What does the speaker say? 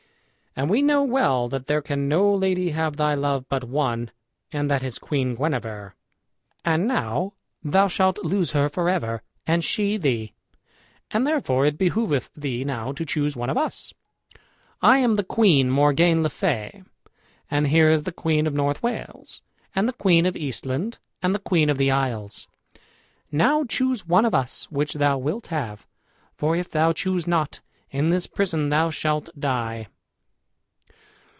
And we know well that there can no lady have thy love but one, and that is Queen Guenever; and now thou shalt lose her for ever, and she thee; and therefore it behooveth thee now to choose one of us. I am the Queen Morgane le Fay, and here is the Queen of North Wales, and the Queen of Eastland, and the Queen of the Isles. Now choose one of us which thou wilt have, for if thou choose not, in this prison thou shalt die."